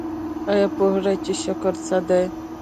ایا پوهیږئ چې شکر څه دی؟